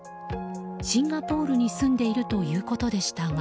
シンガポールに住んでいるということでしたが。